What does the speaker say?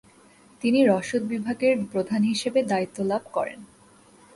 তিনি রসদ বিভাগের প্রধান হিসেবে দায়িত্বলাভ করেন।